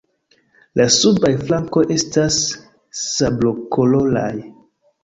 La subaj flankoj estas sablokoloraj.